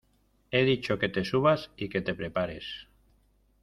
he dicho que te subas y que te prepares.